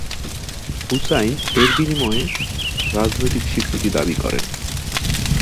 হুসাইন এর বিনিময়ে রাজনৈতিক স্বীকৃতি দাবি করেন।